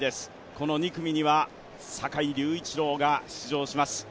この２組には坂井隆一郎が出場します。